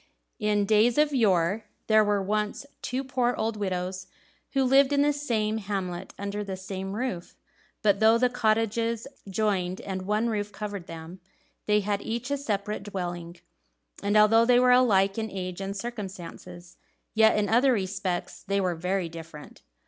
In days of yore, there were once two poor old widows who lived in the same hamlet and under the same roof. But though the cottages joined and one roof covered them, they had each a separate dwelling; and although they were alike in age and circumstances, yet in other respects they were very different.